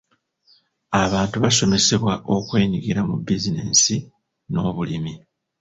Abantu baasomesebwa okwenyigira mu bizinensi n'obulimi.